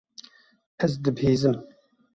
Ez dibihîzim.